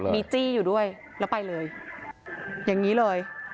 มีจี้อยู่ด้วยแล้วไปเลยอย่างนี้เลย